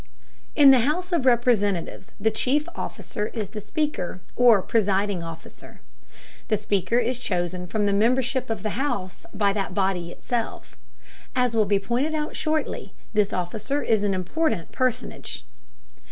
In the House of Representatives the chief officer is the Speaker, or presiding officer. The Speaker is chosen from the membership of the House by that body itself. As will be pointed out shortly, this officer is an important personage.